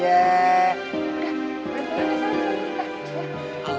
udah berhubungin sama kita